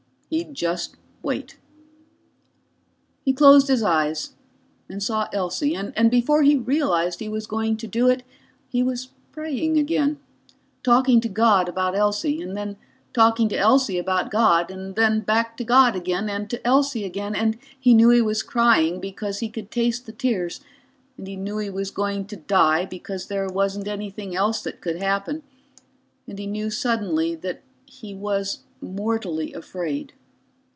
He'd just wait. He closed his eyes and saw Elsie, and before he realized he was going to do it he was praying again, talking to God about Elsie, and then talking to Elsie about God, and then back to God again and to Elsie again, and he knew he was crying because he could taste the tears, and he knew he was going to die because there wasn't anything else that could happen, and he knew suddenly that he was mortally afraid.